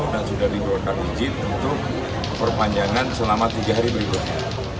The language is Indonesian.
kalau sudah diberi ujit untuk perpanjangan selama tiga hari berikutnya